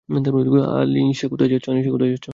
আনিশা কোথায় যাচ্ছো?